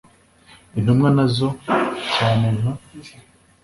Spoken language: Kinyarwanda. intumwa nazo, cyane nka